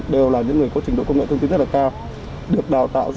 đều là những người có trình độ công nghệ thông tin rất là cao